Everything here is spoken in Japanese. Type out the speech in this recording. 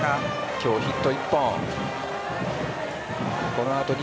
今日、ヒット１本。